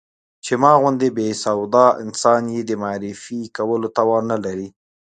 چې ما غوندې بې سواده انسان يې د معرفي کولو توان نه لري.